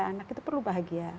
anak itu perlu bahagia